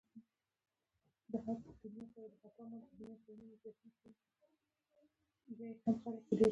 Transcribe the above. خو څه وکړم هسې نصيب يې په اور وسوله.